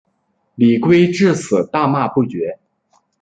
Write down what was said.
李圭至死大骂不绝。